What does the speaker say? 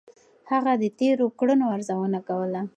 هغه د تېرو کړنو ارزونه کوله.